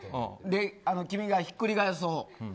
君がひっくり返すほう。